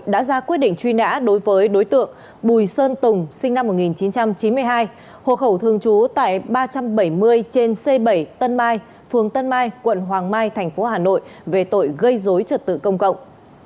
đã ra quyết định truy nã đối với đối tượng bùi sơn tùng sinh năm một nghìn chín trăm chín mươi hai hộ khẩu thường trú tại ba trăm bảy mươi trên c bảy tân mai phường tân mai quận hoàng mai thành phố hà nội về tội gây dối trật tự công cộng